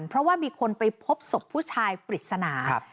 เพราะว่ามีคนไปพบศพผู้ชายปริศนา